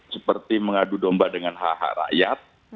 seperti mengadu domba dengan hh rakyat